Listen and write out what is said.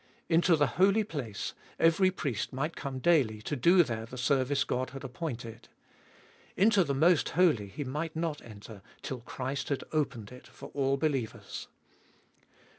Into the Holy Place every priest might come daily to do there the service God had appointed. Into the Most Holy he might not enter till Christ had opened it for all believers.